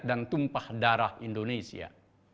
dan tumpah darah indonesia